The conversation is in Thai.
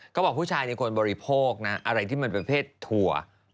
ก็บอกผู้ชายควรบริโภคอะไรที่เป็นเป็นเพศถั่ว